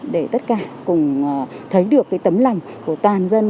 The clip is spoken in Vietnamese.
để tất cả cùng thấy được cái tấm lòng của toàn dân